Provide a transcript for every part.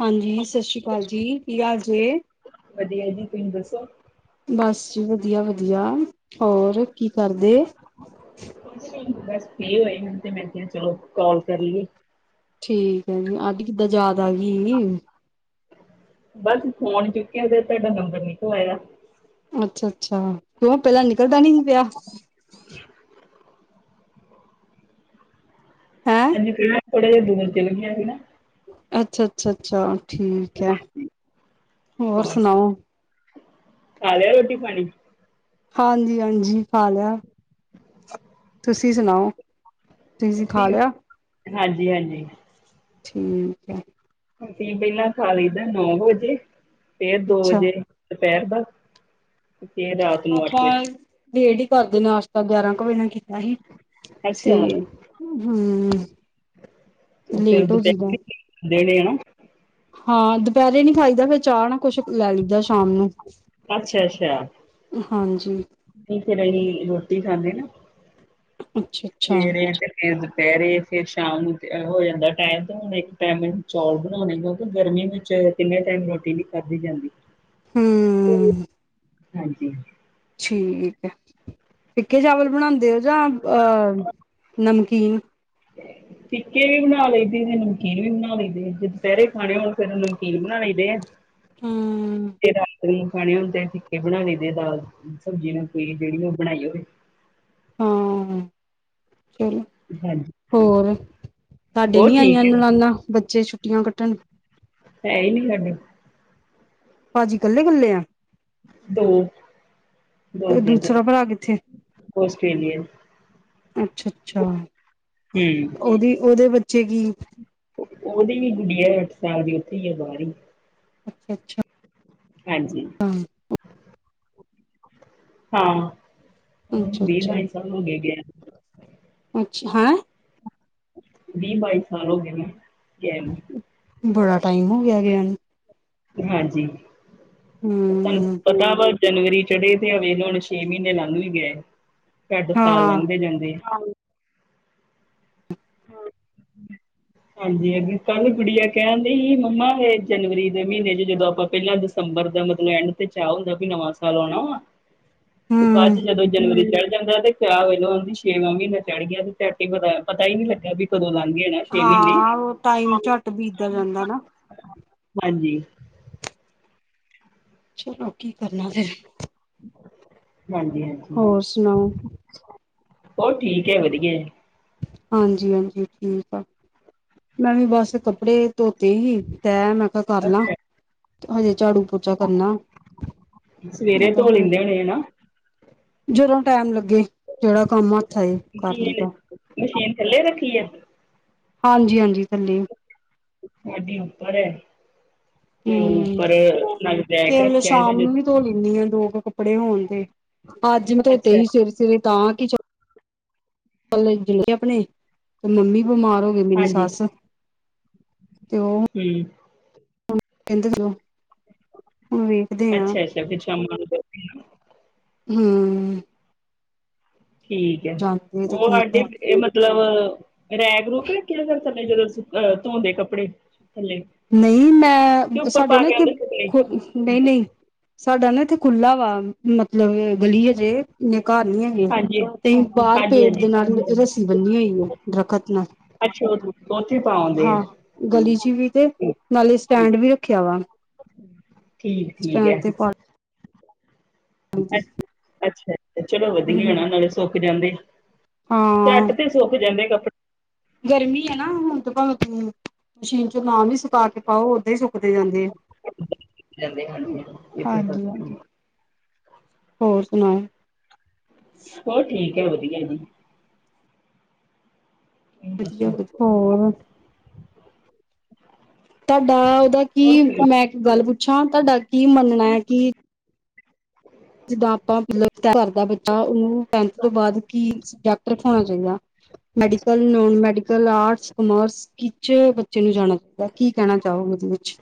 ਹਾਂਜੀ ਸਤਿ ਸ਼੍ਰੀ ਅਕਾਲ ਜੀ ਕੀ ਹਾਲ ਜੇ ਵਧੀਆ ਜੀ ਤੁਸੀਂ ਦੱਸੋ। ਬਸ ਜੀ ਵਧੀਆ ਵਧੀਆ ਹੋਰ ਕੀ ਕਰਦੇ। ਬਸ ਫੇਰ ਹੋਏ ਹੁਣ ਤੇ ਮੈਂ ਕਿਹਾ ਚਲੋ ਕਾਲ ਕਰ ਲਈਏ। ਠੀਕ ਜੀ ਅੱਜ ਕਿੱਦਾਂ ਯਾਦ ਆ ਗਈ। ਬਸ ਫੋਨ ਚੁੱਕਿਆ ਤੇ ਤੁਹਾਡਾ ਨੰਬਰ ਲਾਇਆ। ਅੱਛਾ ਅੱਛਾ ਕਿਉਂ ਪਹਿਲਾਂ ਨਿਕਲਦਾ ਨੀ ਸੀ ਵਿਹਲਾ ਹੈਂ ਹਾਂਜੀ ਪ। ਥੋੜ੍ਹਾ ਜਿਹਾ ਦੂਰ ਚੱਲਣੀਆਂ ਨੇ। ਅੱਛਾ ਅੱਛਾ ਅੱਛਾ ਠੀਕ ਐ ਹੋਰ ਸੁਣਾਓ। ਖਾ ਲਿਆ ਰੋਟੀ ਪਾਣੀ। ਹਾਂਜੀ ਹਾਂਜੀ ਖਾ ਲਿਆ। ਹਾਂਜੀ। ਤੁਸੀਂ ਸੁਣਾਓ। ਤੁਸੀਂ ਅਸੀਂ ਖਾ ਲਿਆ ਹਾਂਜੀ ਹਾਂਜੀ। ਠੀਕ ਐ। ਅਸੀਂ ਪਹਿਲਾਂ ਖਾਨੇ ਆਂ ਨੌਂ ਵਜੇ ਫੇਰ ਦੋ ਅੱਛਾ ਵਜੇ ਦੁਪਹਿਰ ਨੂੰ। ਫੇਰ ਰਾਤ ਅੱਠ ਆਪਾਂ ਵਜੇ ਵੇਟ ਹੀ ਕਰਦੇ ਆਂ ਨਾਸ਼ਤਾ ਗਿਆਰਾਂ ਕੁ ਵਜੇ। ਤੇ ਅੱਛਾ ਹਾਂ। ਤੇ ਫਿਰ ਲੇਟ ਹੋ ਜਾਂਦੇ ਦੁਪਹਿਰ ਆ। ਦਿਨੇ ਆ ਹਾਂ ਦੁਪਹਿਰੇ ਨਹੀਂ ਖਾਈਦਾ ਫਿਰ ਚਾਹ ਨਾਲ ਕੁਝ ਲੈ ਲਈਦਾ ਸ਼ਾਮ ਨੂੰ। ਅੱਛਾ ਅੱਛਾ। ਹਾਂਜੀ। ਨਹੀਂ ਫਿਰ ਅਸੀਂ ਰੋਟੀ ਖਾਨੇ ਆਂ। ਅੱਛਾ। ਅੱਛਾ ਤੇ। ਫਿਰ ਦੁਪਹਿਰੇ ਫੇਰ ਸ਼ਾਮ ਨੂੰ ਹੋ ਜਾਂਦਾ ਟਾਈਮ ਤੇ ਹੁਣ ਇੱਕ ਟਾਈਮ ਮੈਨੂੰ ਚੌਲ ਬਣਾਉਣੇ ਪੈਂਦੇ ਆ ਕਿਉਂਕਿ ਗਰਮੀ ਵਿੱਚ। ਫਿਰ ਦੁਪਹਿਰੇ ਫੇਰ ਸ਼ਾਮ ਨੂੰ ਹੋ ਜਾਂਦਾ ਟਾਈਮ ਤੇ ਹੁਣ ਇੱਕ ਟਾਈਮ ਮੈਨੂੰ ਚੌਲ ਬਣਾਉਣੇ ਪੈਂਦੇ ਆ ਕਿਉਂਕਿ ਗਰਮੀ ਵਿੱਚ ਹੂੰ। ਹਾਂਜੀ। ਠੀਕ ਆ ਫਿੱਕੇ ਚੌਲ ਬਣਾਉਂਦੇ ਓ ਜਾਂ ਨਮਕੀਨ। ਹਾਂਜੀ। ਫਿੱਕੇ ਵੀ ਬਣਾ ਲਈਦੇ ਆਂ ਤੇ ਨਮਕੀਨ ਵੀ ਬਣਾ ਲਈਦੇ ਆਂ, ਜੇ ਦੁਪਹਿਰੇ ਖਾਣੇ ਹੋਣ ਫੇਰ ਨਮਕੀਨ ਬਣਾ ਲਈਦੇ ਆਂ। ਹੂੰ। ਤੇ ਖਾਣੇ ਹੁੰਦੇ ਫਿੱਕੇ ਬਣਾ ਲਈਦੇ ਆਂ ਦਾਲ ਸਬਜ਼ੀ ਨਾਲ ਜਿਹੜੀ ਬਣੀ ਹੋਵੇ। ਹਾਂ ਚਲੋ। ਹਾਂਜੀ ਹੋਰ ਤੁਹਾਡੇ ਉਹ ਨਹੀਂ ਆਏ ਠੀਕ ਨਿਆਣੇ ਬੱਚੇ ਛੁੱਟੀਆਂ ਕੱਟਣ। ਹੈ ਹੈ ਹੀ ਨਹੀਂ ਸਾਡੇ। ਭਾਜੀ ਇਕੱਲੇ-ਇਕੱਲੇ ਆਂ। ਦੋ-ਦੋ ਤੇ ਬ੍ਰਦਰ ਦੂਸਰਾ ਭਰਾ ਕਿੱਥੇ? ਆਸਟ੍ਰੇਲੀਆ 'ਚ। ਅੱਛਾ ਅੱਛਾ ਹੂੰ ਉਹਦੇ ਬੱਚੇ ਕੀ। ਉਹਦੀ ਵੀ ਗੁੱਡੀ ਆ ਅੱਠ ਸਾਲ ਦੀ ਉੱਥੇ ਹੀ ਬਾਹਰੇ। ਅੱਛਾ-ਅੱਛਾ ਹਾਂਜੀ। ਹੂੰ। ਹਾਂ! ਅੱਛਾ ਦੇ ਦਾ ਅੱਛਾ ਗਏ ਸਭ ਨੂੰ ਦੇ ਦੇ ਆ। ਅੱਛਾ ਹੈਂ। ਵੀਹ-ਬਾਈ ਸਾਲ ਹੋ ਗਏ ਮੈਂ ਗਏ ਨੂੰ ਬੜਾ ਟਾਈਮ ਹੋ ਗਿਆ ਗਿਆਂ ਨੂੰ ਹਾਂਜੀ। ਹੂੰ ਅਦਾਵਟ [unintelligible] ਜਨਵਰੀ ਚੜ੍ਹੇ ਤੇ ਆ ਦੇਖ ਲੋ ਹੁਣ ਛੇ ਮਹੀਨੇ ਲੰਘ ਵੀ ਗਏ, ਸਾਡੇ ਸਾਲ ਹਾਂ ਲੰਘਦੇ ਜਾਂਦੇ ਆ। [inaudible] ਹਾਂਜੀ, ਅੱਗੇ ਕੱਲ ਗੁੜੀਆ ਕਹਿਣ ਡਹੀ ਸੀ, ਮੰਮਾ ਏ ਜਨਵਰੀ ਦੇ ਮਹੀਨੇ 'ਚ ਜਦੋਂ ਆਪਾਂ ਪਹਿਲਾਂ ਦ ਦਸੰਬਰ ਦਾ ਮਤਲਬ ਐਂਡ ਤੇ ਚਾਹ ਹੁੰਦਾ ਵੀ ਨਵਾਂ ਸਾਲ ਆਉਣਾ ਵਾ ਤੇ ਬਾਦ ਹੂੰ 'ਚ ਜਦੋਂ ਜਨਵਰੀ ਚੜ ਜਾਂਦਾ ਤੇ ਪਹ ਵੇਲਦੀ ਛੇਵਾਂ ਮਹੀਨਾ ਚੜ੍ਹ ਗਿਆ ਤੇਟ ਹੀ ਪਤਾ-ਪਤਾ ਹੀ ਨੀ ਲੱਗਾ ਵੀ ਕਦੋਂ ਲਘੰ ਜਾਣੇ ਆ ਛੇ ਮਹੀਨੇ, ਹਾਂ ਉਹ ਟਾਈਮ ਝੱਟ ਬੀਤਦਾ ਜਾਂਦਾ ਨਾ ਹਾਂਜੀ। ਚਲੋ ਕੀ ਕਰਨਾ ਫਿਰ। ਹਾਂਜੀ-ਹਾਂਜੀ! ਹੋਰ ਸੁਣਾਓ ਹੋਰ ਠੀਕ ਹੈ, ਵਧੀਆ। ਹਾਂਜੀ-ਹਾਂਜੀ ਠੀਕ ਆ, ਮੈਂ ਵੀ ਬਸ ਕੱਪੜੇ ਧੋਤੇ ਸੀ। ਤੇੈ, ਮੈਂ ਕਿਹਾ ਕਰ ਲਾਂ ਅੱਛਾ ਹਜੇ ਝਾੜੂ, ਪੋਚਾ ਕਰਨਾ। ਮੈਂ ਸਵੇਰੇ ਧੋ ਕਿਹਾ ਲੈਂਦੇ ਹੋਣੇ ਨਾ। ਜਦੋਂ ਟੈਮ ਲੱਗੇ, ਜੇੜਾ ਕੰਮ ਹੱਥ ਆਜੇ ਕਰ ਕੀ ਲਈਦਾ। ਮਸ਼ੀਨ ਥੱਲੇ ਰੱਖੀ ਆ? ਹਾਂਜੀ-ਹਾਂਜੀ ਥੱਲੇ ਹੀ। ਸਾਡੀ ਉੱਪਰ ਹੈਗੀ, ਤੇ ਓ ਉੱਪਰ ਲਗਦਾ ਕੇਵਲ ਸ਼ਾਮ ਨੂੰ ਨੀ। ਧੋ ਲੈਣੀ ਹਾਂ ਦੋ ਕੁ ਕੱਪੜੇ ਹੋਣ ਤੇ ਅੱਜ ਮੈਂ ਧੋਤੇ ਅੱਛਾ ਸੀ ਸਵੇਰੇ-ਸਵੇਰੇ ਤਾਂ ਕਿ ਕੱਲੇ ਜੀਅ ਨੇ ਆਪਣੇ, ਤੇ ਮੰਮੀ ਬਿਮਾਰ ਹੋ ਗਏ ਮੇਰੀ ਹਾਂਜੀ ਸੱਸ। ਤੇ ਓ ਹੂੰ! ਕਹਿੰਦੀ ਸੀ ਓ, ਉਈ। ਅੱਛਾ-ਅੱਛਾ ਵਿੱਚ ਕੰਮ-ਕੁੰਮ ਕਰਦੇ। ਹੂੰ। ਠੀਕ ਹੈ, ਜਾਂਦੇ ਤੇ ਓ ਕੀ ਸਾਡੇ ਕਰ ਵੀ ਏ ਮਲ ਮਤਲਬ ਰੈਕ-ਰੁਕ ਰੱਖੇ ਆ ਫੇਰ ਥੱਲੇ ਜਦੋਂ ਅਹ ਧੋਂਦੇ ਕੱਪੜੇ ਥੱਲੇ। ਨਈ ਕਿ ਮੈਂ ਉੱਪਰ ਸਾਡੇ ਪਾ ਨਾ ਕੇ ਇੱਥੇ ਆਉਂਦੇ ਸੁਕਣੇ ਨਈ-ਨਈ! ਸਾਡਾ ਨਾ ਇੱਥੇ ਖੁੱਲਾ ਵਾ ਮਤਲਬ ਗਲੀ ਹਜੇ ਇੰਨੇ ਘਰ ਨੀ ਹੈਗੇ। ਹਾਂਜੀ ਤੇ ਬਾਰ ਹਾਂਜੀ ਪੇੜ ਹਾਂਜੀ ਦੇ ਨਾਲ ਰੱਸੀ ਬੰਨੀ ਹੋਈ ਹੈ ਦਰੱਖਤ ਨਾਲ। ਅੱਛਾ ਉਹ- ਉੱਥੇ ਪਾਉਂਦੇ ਹਾਂ, ਆ ਗਲੀ 'ਚ ਵੀ ਤੇ ਨਾਲੇ ਸਟੈਂਡ ਵੀ ਰੱਖਿਆ ਵਾ। ਠੀਕ-ਠੀਕ ਸਟੈਂਡ ਆ। ਤੇ ਪਾ ਅੱਛਾ- ਅੱਛਾ ਚਲੋ ਵਧੀਆ ਹੂੰ ਨਾ ਨਾਲੇ ਸੁੱਕ ਜਾਂਦੇ। ਹਾਂ ਝੱਟ ਤੇ ਸੁੱਕ ਜਾਂਦੇ। ਕੱਪੜੇ ਗਰਮੀ ਆ ਨਾ ਹੁਣ ਤਾਂ ਭਾਵੇਂ ਮਸ਼ੀਨ 'ਚ ਨਾ ਵੀ। ਸੁਕਾ ਕੇ ਪਾਓ ਉਦਾਂ ਹੀ ਸੁੱਕਦੇ ਜਾਂਦੇ ਆ। ਸੁੱਕ ਜਾਂਦੇ ਹਾਂਜੀ-ਹਾਂਜੀ ਇਸੇ ਹਾਂਜੀ ਕਰਕੇ ਹੀ। ਹਾਂਜੀ ਹੋਰ ਸੁਣਾਓ? ਹੋਰ ਠੀਕ ਹੈ, ਵਧੀਆ ਜੀ। ਤੁਸੀਂ ਵਧੀਆ ਦੱਸੋ ਵਧੀਆ, ਹੋਰ? ਤੁਹਾਡਾ ਉਹਦਾ ਹੋਰ ਕੀ, ਠੀਕ। ਮੈਂ ਇੱਕ ਗੱਲ ਪੁੱਛਾਂ, ਤੁਹਾਡਾ ਕੀ ਮੰਨਣਾ ਹੈ ਕਿ ਜਿੱਦਾਂ ਆਪਣਾ ਬੱਚਾ ਟਨਥ ਕਰਦਾ ਬੱਚਾ, ਉਸ ਤੋਂ ਬਾਅਦ ਉਸਨੂੰ, ਕਿਹੜਾ ਸਬਜੈਕਟ ਰੱਖੳਣਾ ਚਾਹੀਦਾ? Medical, non medical, arts, commerce? ਕਿੱਚ ਬੱਚੇ ਨੂੰ ਜਾਣਾ ਚਾਹੀਦਾ, ਕੀ ਕਹਿਣਾ ਚਾਹੋਗੇ ਏਹਦੇ ਵਿੱਚ?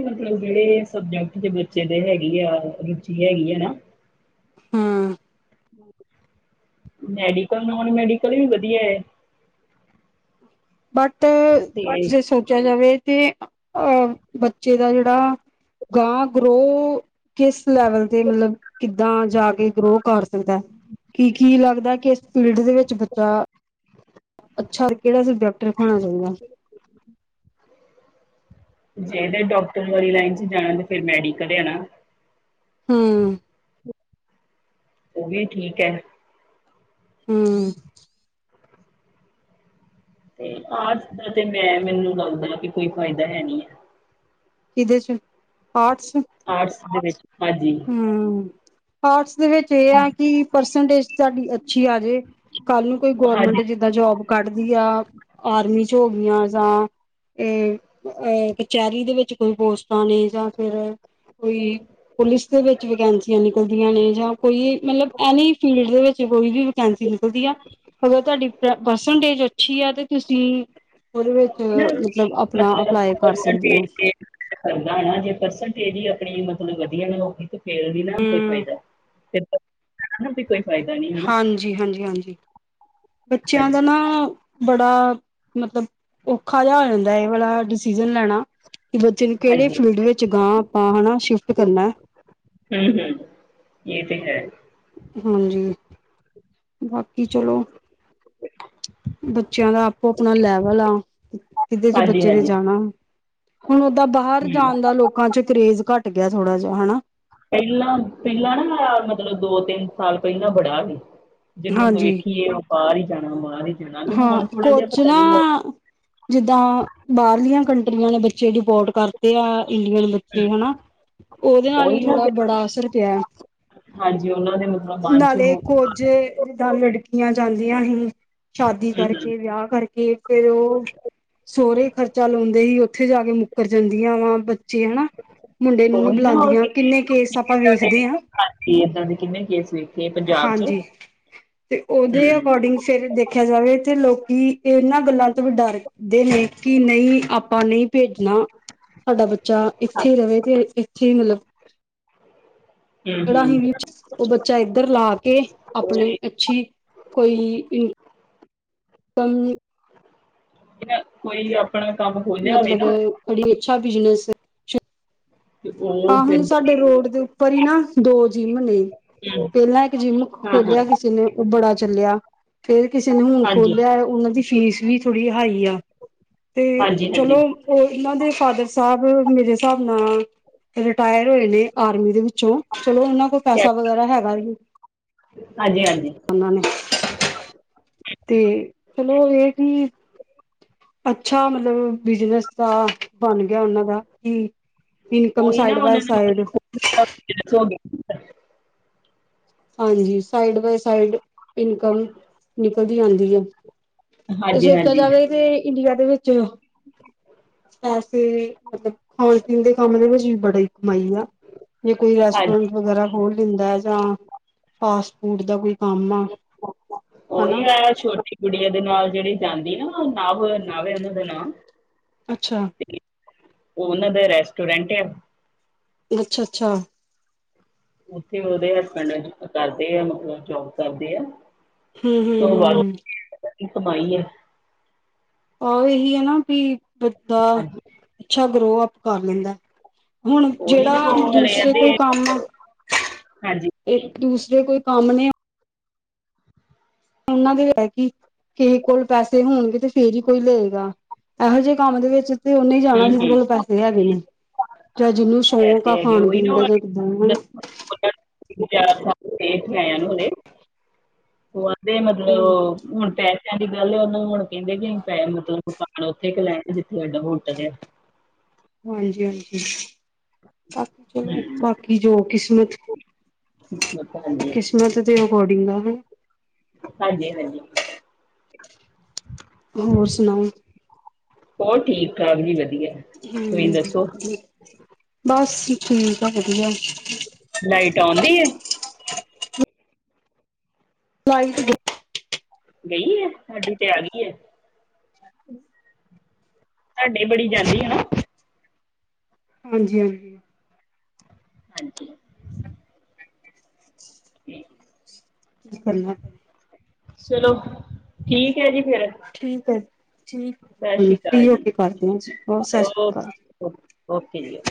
ਮਤਲਬ, ਜਿਹੜੇ ਸਬਜੈਕਟ 'ਚ ਬੱਚੇ ਦੇ ਹੈਗੇ ਆ, ਰੁਚੀ ਹੈਗੀ ਆ ਨਾ ਹਾਂ। ਹਮ। ਮੈਡੀਕਲ, ਨੋਨ ਮੈਡੀਕਲ ਵੀ ਵਧੀਆ ਹੈ। ਬਟ, ਤੇ ਜੇ ਸੋਚਿਆ ਜਾਵੇ ਤੇ ਅਹ ਬੱਚੇ ਦਾ ਜਿਹੜਾ, ਗਾਂ ਗਰੋਹ ਕਿਸ ਲੈਵਲ ਤੇ ਮਤਲਬ, ਕਿੱਦਾਂ ਜਾ ਕੇ ਗਰੋ ਕਰ ਸਕਦਾ, ਕਿ ਕੀ ਲੱਗਦਾ ਕਿ, ਇਸ ਫੀਲਡ ਦੇ ਵਿੱਚ ਬੱਚਾ ਅੱਛਾ, ਕਿਹੜਾ ਸਬਜੈਕਟ ਰੱਖਾਉਣਾ ਚਾਹੀਦਾ? ਜੇ ਡਾਕਟਰ ਵਾਲੀ ਲਾਈਨ 'ਚ ਜਾਣਾ, ਤੇ ਫਿਰ ਮੈਡੀਕਲ ਆਣਾ। ਹਾਂ। ਉਹ ਵੀ ਠੀਕ ਹੈ। ਹਮ। ਤੇ ਆਰਟਸ ਦਾ ਤੇ ਮੈਂ ਮੈਨੂੰ ਲਗਦਾ, ਕਿ ਕੋਈ ਫਾਇਦਾ ਹੈ ਨੀ ਹੈ। ਕਿਹਦੇ 'ਚ, ਆਰਟਸ? ਆਰਟਸ ਦੇ ਵਿੱਚ, ਹਾਂਜੀ। ਹਮ, ਆਰਟਸ ਦੇ ਵਿੱਚ ਇਹ ਆ ਕਿ, ਪਰਸੈਂਟੇਜ ਤੁਹਾਡੀ ਅੱਛੀ ਆ ਜਾੇ ਕੱਲ੍ਹ ਨੂੰ, ਕੋਈ ਹਾਂਜੀ ਗੌਰਮੈਂਟ ਜਿੱਦਾਂ ਜੋਬ ਕੱਢਦੀ ਆ, ਆਰਮੀ 'ਚ ਹੋ ਗਈਆਂ ਜਾਂ 'ਅ 'ਅ ਕਚਹਿਰੀ ਦੇ ਵਿੱਚ ਕੋਈ ਪੋਸਟਾਂ ਨੇ, ਜਾਂ ਫਿਰ ਕੋਈ ਪੁਲਿਸ ਦੇ ਵਿੱਚ ਵੈਕੈਂਸੀਆਂ ਨਿਕਲਦੀਆਂ ਨੇ, ਜਾਂ ਕੋਈ ਮਤਲਬ, ਐਨੀ ਫੀਲਡ ਦੇ ਵਿੱਚ ਕੋਈ ਵੀ ਵੈਕੈਂਸੀ ਨਿਕਲਦੀ ਆ, ਅਗਰ ਤੁਹਾਡੀ ਪਰਸਟੇਜ ਅੱਛੀ ਆ, ਤੇ ਤੁਸੀਂ ਉਹਦੇ ਵਿੱਚ, ਉਹੀ ਨਾ ਮਤਲਬ ਆਪਣਾ ਅਪਲਾਈ ਕਰ ਸਕਦੇ ਹੋ। ਇਦਾ ਨਾ, ਜੇ ਪਰਸੈਂਟੇਜ ਹੀ ਆਪਣੀ ਮਤਲਬ ਵਧੀਆ ਨਾ ਹੋ ਫੇਰ ਨੀ ਨਾ ਕੋਈ ਹੂੰ ਫਾਇਦਾ, ਫੇਰ ਤਾਂ ਕੋਈ ਫਾਇਦਾ ਨੀ। ਹਾਂਜੀ, ਹਾਂਜੀ ਹਾਂਜੀ, ਬੱਚਿਆਂ ਦਾ ਹਾਂਜੀ ਨਾ ਬੜਾ ਮਤਲਬ, ਔਖਾ ਜਿਹਾ ਹੋ ਜਾਂਦਾ ਇਹ ਵਾਲਾ ਡਿਸੀਜ਼ਨ ਲੈਣਾ। ਕਿ ਬੱਚੇ ਨੂੰ, ਕਿਹੜੇ ਹਾਂਜੀ ਫੀਲਡ ਵਿੱਚ ਗਾਂ ਆਪਾਂ ਹਨਾ, ਸ਼ਿਫਟ ਕਰਨਾ। ਹਮ ਹਮ, ਇਹ ਤੇ ਹੈ। ਹਾਂਜੀ, ਬਾਕੀ ਚਲੋ ਬੱਚਿਆਂ ਦਾ ਆਪੋ ਆਪਣਾ ਲੈਵਲ ਆ, ਕਿਧੇ'ਚ ਹਾਂਜੀ ਬੱਚੇ ਨੇ ਹਾਂਜੀ ਜਾਣਾ। ਹੁਣ ਓਦਾਂ ਬਾਹਰ ਹੂੰ ਜਾਣ ਦਾ, ਲੋਕਾਂ 'ਚ ਕਰੇਜ਼ ਘੱਟ ਗਿਆ ਥੋੜਾ ਜਿਹਾ, ਹਨਾ। ਪਹਿਲਾਂ, ਪਹਿਲਾਂ ਨਾ ਮਤਲਬ, ਦੋ ਤਿੰਨ ਸਾਲ ਪਹਿਲਾਂ ਬੜਾ ਸੀ। ਜਿਹਨੂੰ ਹਾਂਜੀ ਵੇਖੀਏ ਉਹ ਬਾਹਰ ਹੀ ਜਾਣਾ, ਬਾਹਰ ਹੀ ਜਾਣਾ, ਤੇ ਹਾਂ ਹੁਣ ਥੋੜਾ ਜਿਹਾ ਕੁੱਝ ਪਤਾ ਨਾ ਨੀ ਜਿੱਦਾਂ, ਬਾਹਰਲੀਆਂ ਕੰਟਰੀਆਂ ਨੇ ਬੱਚੇ ਡਪੋਰਟ ਕਰਤੇ ਆ, ਇੰਡੀਆ ਦੇ ਬੱਚੇ, ਹਨਾ। ਉਹਦੇ ਨਾਲ ਵੀ ਉਹੀ ਨਾ ਫਿਰ ਥੋੜ੍ਹਾ-ਬੜਾ ਅਸਰ ਪਿਆ, ਹਾਂਜੀ ਉਹਨਾਂ ਦੇ ਮਤਲਬ ਮਨ ਚ ਉਹ ਨਾਲੇ ਹੂੰ ਕੋਜੇ ਜਿੱਦਾਂ ਲੜਕੀਆਂ ਜਾਂਦੀਆਂ ਸੀ, ਸ਼ਾਦੀ ਹੂੰ ਕਰਕੇ, ਵਿਆਹ ਕਰਕੇ, ਫੇਰ ਉਹ ਸੋਹੁਰੇ ਖਰਚਾ ਲਾਉਂਦੇ ਹੀ, ਉੱਥੇ ਜਾ ਕੇ ਮੁੱਕਰ ਜਾਂਦੀਆਂ ਵਾ ਬੱਚੇ, ਹਨਾ। ਮੁੰਡੇ ਨੂੰ ਨਹੀਂ ਉਹੀ ਨਾ ਹੋਰ ਬੁਲਾਉਂਦੀਆਂ, ਕਿੰਨੇ ਕੇਸ ਆਪਾਂ ਏਦਾਂ ਦੇ ਵੇਖਦੇ ਹਾਂ। ਏ ਪੰਜਾਬ 'ਚ। ਹਾਂਜੀ ਤੇ ਓਦੇ ਹੂੰ ਅਕੋਰਡਿੰਗ ਫੇਰ ਦੇਖਿਆ ਜਾਵੇ ਤੇ ਲੋਕੀ ਏਨਾਂ ਗੱਲਾਂ ਤੋਂ ਵੀ ਡਰ ਦੇ ਨੇ ਕਿ ਨਈਂ ਆਪਾਂ ਨਈਂ ਪੇਜਣਾ। ਸਾਡਾ ਬੱਚਾ ਇੱਥੇ ਹੀ ਰਹੇ ਤੇ ਇੱਥੇ ਹੀ ਮਤਲਬ ਹੂੰ ਜੇੜਾ ਹੀ ਵੀ ਹੂੰ ਓ ਬੱਚਾ ਏਦਰ ਲਾ ਕੇ, ਆਪਣੀ ਕੋਈ ਅੱਛੀ ਕੋਈ [inaudible] [unintelligible] ਕਿੰਨੇ ਕੋਈ ਆਪ ਅਪਣਾ ਕੱਮ ਖੁਦ ਮਤਲਬ ਬੜੀ ਅੱਛਾ ਬਿਜਨਸ ਏ। ਤੇ ਉਹ ਫਿਰ ਆਹੀਂ ਹਸਾਡੇ ਹੂੰ ਰੋਡ ਦੇ ਉੱਪਰ ਹੀ ਨਾ ਦੋ ਜਿੰਮ ਨੇ, ਪਹਿਲਾਂ ਇੱਕ ਜਿੰਮ ਹਾਂ ਹਾਂ ਖੋਲਿਆ ਕਿਸੇ ਨੇ ਓ ਬੜਾ ਚੱਲਿਆ। ਤੇ ਕਿਸੇ ਨੇ ਹੁਣ ਹਾਂਜੀ ਖੋਲਿਆ ਓਨਾਂ ਦੀ ਫੀਸ ਵੀ ਥੋੜੀ ਹਾਈ ਆ। ਤੇ ਹਾਂਜੀ ਹਾਂਜੀ ਚਲੋ, ਓ ਏਨਾਂ ਦੇ ਫਾਦਰ ਸਾਬ, ਮੇਰੇ ਹਿਸਾਬ ਨਾਲ ਰਿਟਾਯਰ ਹੋਏ ਨੇ ਆਰਮੀ ਦੇ ਵਿੱਚੋਂ ਚਲੋ, ਓਨਾਂ ਕੋਲ ਪੈਸਾ ਵਗੈਰਾ ਹੈਗਾ ਈ। ਹੰਜੀ-ਹੰਜੀ। ਓਨਾਂ ਨੇ ਤੇ ਚਲੋ, ਏ ਕਿ ਅੱਛਾ ਮਤਲਬ ਬਿਜਨਸ ਦਾ ਬਣ ਗਯਾ ਓਨਾਂ ਦਾ, ਕਿ ਇਨਕਮ ਓਹੀ ਨਾਂ side by side [unintelligible] ਹੰਜੀ, side by side income ਨਿਕਲਦੀ ਰੈਂਦੀ ਏ, ਜੇ ਹਾਂਜੀ ਹਾਂਜੀ ਸੋਚਿਆ ਹਾਂਜੀ ਜਾਵੇ ਤੇ ਇੰਡੀਆ ਦੇ ਵਿੱਚ ਪੈਸੇ ਮਤਲਬ ਖਾਣ-ਪੀਣ ਦੇ ਕੰਮ ਦੇ ਵਿੱਚ ਵੀ ਬੜੀ ਕਮਾਈ ਆ। ਜੇ ਕੋਈ ਰੈਸਟੋਰੈਂਟ ਵਗੈਰਾ ਖੋਲ ਲੈਂਦਾ ਜਾਂ ਫਾਸਟ ਫੂਡ ਦਾ ਕੋਈ ਕੰਮ ਆ। ਓਹੀ ਹਨਾ ਹੈ ਛੋਟੀ ਕਗੂੜੀਆਂ ਦੇ ਨਾਲ ਜੇੜੀ ਜਾਂਦੀ ਨਾ ਨਵ ਨਾਵੇ ਓਨਾਂ ਦਾ ਨਾਂ। ਅੱਛਾ। ਓ ਓਨਾਂ ਦਾ ਰੈਸਟੋਰੈਂਟ ਆ। ਅੱਛਾ-ਅੱਛਾ। ਓਥੇ ਓਦੇ ਹਸਬੈਂਡ ਕਰਦੇ ਆ ਮਤਲਬ ਜੋਬ ਕਰਦੇ ਆ। ਹੁੰ, ਹੁੰ, ਹੁੰ। ਕੀ ਕਮਾਈ ਯੇ। ਓ ਓਹੀ ਆਨਾ ਵੀ ਬੰਦਾ ਹਾਂਜੀ ਅੱਛਾ ਗਰੋਅਪ ਕਰ ਲੈਂਦਾ। ਹੁਣ ਉਹੀ ਜੇੜਾ ਨਾ ਉਹ ਦੂਸਰੇ ਰਹਿੰਦੇ ਕੋਈ ਕੰਮ ਆ ਹਾਂਜੀ ਏ ਦੂਸਰੇ ਕੋਈ ਕੰਮ ਨੇ ਉਨਾਂ ਦੇ ਹੈ ਕੀ? ਕਿਹੇ ਕੋਲ ਪੈਸੇ ਹੋਣਗੇ ਤੇ ਫੇਰ ਈ ਕੋਈ ਲਏਗਾ, ਏਹੋ ਜੇ ਕੰਮ ਦੇ ਵਿੱਚ ਤੇ ਓਨੇ ਜਾਣਾ ਹੂੰ ਜਿਹਦੇ ਕੋਲ ਹੂੰ ਪੈਸੇ ਹੈਗੇ ਨੇ ਜਾਂ ਜਿਹਨੂੰ ਸ਼ੌਂਕ ਆ ਪੈਸੇ ਹੈਗੇ ਉਹੀ ਖਾਣ-ਪੀਣ ਦਾ ਜਾਂ [unintelligible] ਤਿੰਨ-ਚਾਰ ਸਾਲ ਇਥੇ ਆਯਾ ਨੂੰ ਹੇਗੇ, ਓ ਆਖਦੇ ਮਤਲਬ ਹੁਣ ਪੈਸਿਆਂ ਦੀ ਗੱਲ, ਓਨੂੰ ਹੁਣ ਕੈਂਦੇ ਵੀ ਪੈਹੇ ਮਤਲਬ [unintelligible] ਹ ਓਥੇ ਕ ਲੈਣਾ ਜਿੱਥੇ ਤਾਡਾ ਹੋਟਲ ਆ। ਹਾਂਜੀ-ਹਾਂਜੀ, ਬਾਕੀ ਚਲੋ ਹੂੰ ਬਾਕੀ ਜੋ ਕਿਸਮਤ। ਹਾਂਜੀ ਕਿਸਮਤ ਦੇ ਅਕੋਰਡਿੰਗ ਆਤੇ। ਹਾਂਜੀ-ਹਾਂਜੀ। ਹੋਰ ਸੁਣਾਓ। ਹੋਰ ਠੀਕ-ਠਾਕ ਜੀ ਵਧੀਆ। ਤੁਸੀਂ ਦੱਸੋ ਹੂੰ ਬਸ ਠੀਕ ਆ ਵਧੀਆ। ਲਾਈਟ ਆਉਂਦੀ ਏ। ਲਾਈਟ ਗਈ ਐ, ਸਾਡੀ ਤੇ ਆ ਗਈ ਐ। ਸਾਡੇ ਬੜੀ ਜਾਂਦੀ ਹੈਨਾ। ਹਾਂਜੀ-ਹਾਂਜੀ। ਹਾਂਜੀ। ਤੇ ਕੀ ਕਰਨਾ ਸਲੋ ਠੀਕ ਏ ਜੀ ਫੇਰ। ਠੀਕ ਏ, ਠੀਕ ਹ ਫ੍ਹੀ ਅਕਾਲ ਹੋ ਜੀ ਕੇ ਕਰਦੇ ਆ ਜੀ ਹੋਰ ਸਾ ਸ੍ਰੀ ਕਾਲ। ਓ ਓਕੇ ਜੀ ਅ